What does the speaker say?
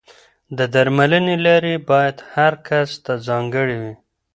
د درملنې لارې باید هر کس ته ځانګړې وي.